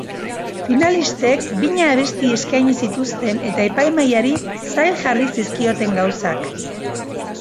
Finalistek bina abesti eskaini zituzten eta epaimahaiari zail jarri zizkioten gauzak.